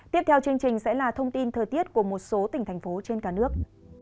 tiếp theo là thông tin thời tiết của một số tỉnh thành phố trên cả nước